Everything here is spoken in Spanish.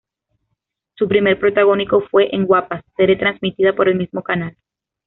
Su primer protagónico fue en "Guapas", serie transmitida por el mismo canal.